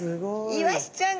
イワシちゃん